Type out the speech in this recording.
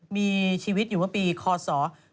มีชีวิตอยู่เมื่อปีคศ๑๒๗๑๑๓๖๘